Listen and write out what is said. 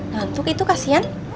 nantuk itu kasihan